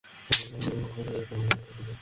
এরপর তিনি আশি বছর কাল জীবিত থাকেন।